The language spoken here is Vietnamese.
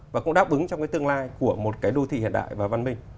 và cũng đáp ứng trong cái tương lai của một cái đô thị hiện đại và văn minh